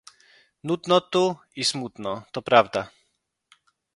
"Nudno tu i smutno, to prawda..."